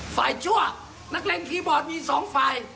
ชั่วนักเลงคีย์บอร์ดมีสองฝ่าย